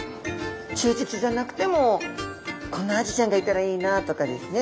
忠実じゃなくてもこんなアジちゃんがいたらいいなとかですね。